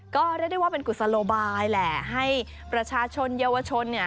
ก็เรียกได้ว่าเป็นกุศโลบายแหละให้ประชาชนเยาวชนเนี่ย